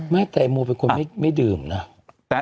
ไม่แต่อีงโมลึงใบคนไม่ดื่มนะ